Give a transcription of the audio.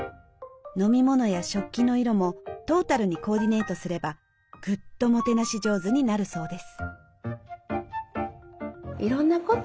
飲み物や食器の色もトータルにコーディネートすればぐっともてなし上手になるそうです。